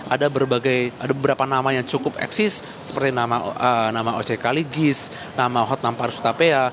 ada beberapa nama yang cukup eksis seperti nama oce kaligis nama hotnam parsutapea